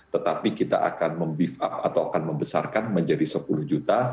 tetapi kita akan membesarkan menjadi sepuluh juta